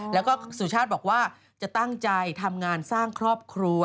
แล้วก็สุชาติบอกว่าจะตั้งใจทำงานสร้างครอบครัว